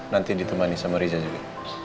nanti ditemani sama reza juga